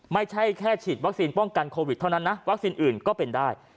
ไม่ใช่แค่ฉีดวัคซีนป้องกันโควิดเท่านั้นนะวัคซีนอื่นก็เป็นได้